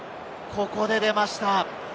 ここで出ました。